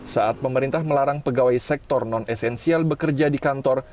saat pemerintah melarang pegawai sektor non esensial bekerja di kantor